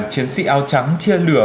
chiến sĩ áo trắng chia lửa